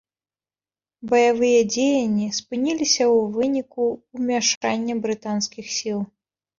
Баявыя дзеянні спыніліся ў выніку ўмяшання брытанскіх сіл.